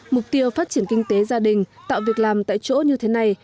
mục tiêu phát triển kinh tế gia đình tạo việc làm tại chỗ như thế này